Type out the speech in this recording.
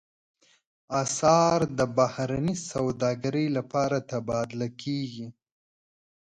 اسعار د بهرنۍ سوداګرۍ لپاره تبادله کېږي.